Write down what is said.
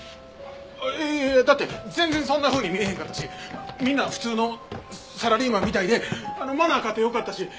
いやいやだって全然そんなふうに見えへんかったしみんな普通のサラリーマンみたいでマナーかて良かったし。